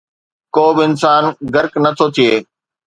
ڪو به انسان غرق نٿو ٿئي